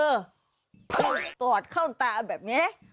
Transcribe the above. นี่ตอบเข้าตาแบบนี้